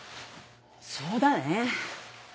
そうだね。